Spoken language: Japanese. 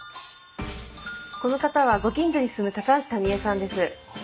この方はご近所に住む橋タミ江さんです。